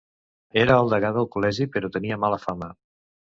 Era el degà del Col·legi, però tenia mala fama.